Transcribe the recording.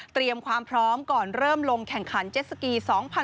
เตรียมความพร้อมก่อนเริ่มลงแข่งขันเจ็ดสกี๒๐๑๖